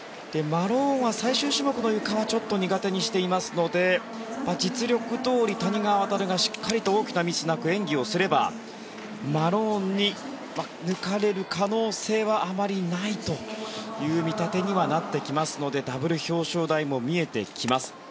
マローンは最終種目のゆかはちょっと苦手にしていますので実力どおり谷川航がしっかりと大きなミスなく演技をすればマローンに抜かれる可能性はあまりないという見立てにはなってきますのでダブル表彰台も見えてきます。